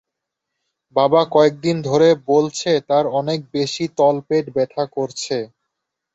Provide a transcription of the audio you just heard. বাবা কয়েকদিন ধরে বলছে তার অনেক বেশি তলপেট ব্যথা করছে।